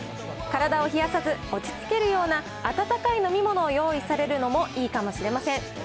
体を冷やさず、落ち着けるような温かい飲み物を用意されるのもいいかもしれません。